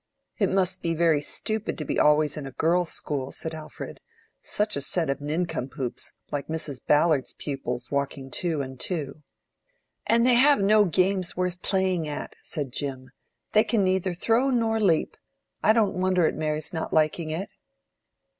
"It must be very stupid to be always in a girls' school," said Alfred. "Such a set of nincompoops, like Mrs. Ballard's pupils walking two and two." "And they have no games worth playing at," said Jim. "They can neither throw nor leap. I don't wonder at Mary's not liking it."